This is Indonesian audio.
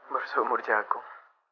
baru seumur jagung